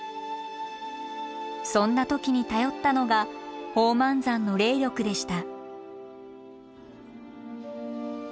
そんな時に頼ったのが宝満山の霊力でした。